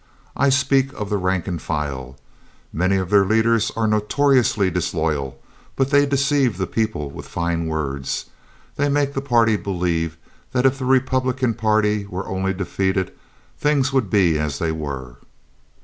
I speak of the rank and file. Many of their leaders are notoriously disloyal, but they deceive the people with fine words. They make the party believe that if the Republican party were only defeated, things would be as they were.